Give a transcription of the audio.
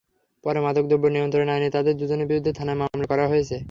পরে মাদকদ্রব্য নিয়ন্ত্রণ আইনে তাঁদের দুজনের বিরুদ্ধে থানায় মামলা করা হয়েছে।